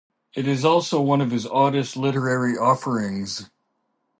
It is also one of his oddest literary offerings.